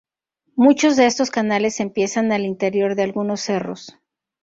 Muchos de estos canales empiezan al interior de algunos cerros.